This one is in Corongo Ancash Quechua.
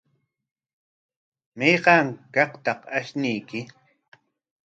¿Mayqa kaqtaq ashnuyki?